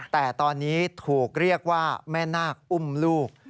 แต่ตอนนี้ถูกเรียกว่าแม่นาคอุ้มลูก